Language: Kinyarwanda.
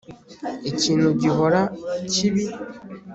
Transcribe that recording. Ikintu gihora kibi